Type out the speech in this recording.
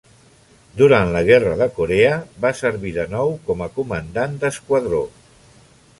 Durant la Guerra de Corea va servir de nou com a comandant d'esquadró.